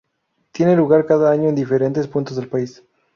tienen lugar cada año en diferentes puntos del país